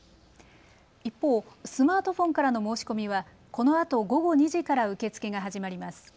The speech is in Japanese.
一方、スマートフォンからの申し込みはこのあと午後２時から受け付けが始まります。